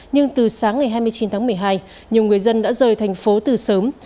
nhưng từ sáng ngày hai mươi chín tháng một mươi hai nhiều người dân đã rời thành phố từ sớm